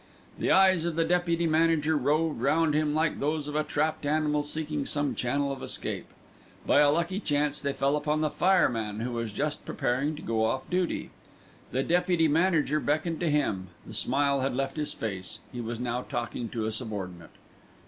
The eyes of the deputy manager roved round him like those of a trapped animal seeking some channel of escape. By a lucky chance they fell upon the fireman who was just preparing to go off duty. The deputy manager beckoned to him; the smile had left his face, he was now talking to a subordinate.